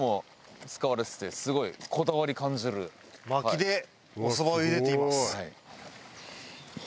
薪でおそばを茹でています。